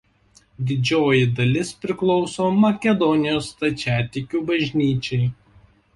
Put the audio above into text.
Didžioji dalis priklauso Makedonijos stačiatikių bažnyčiai.